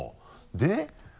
で？